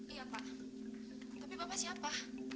iya pak tapi bapak siapa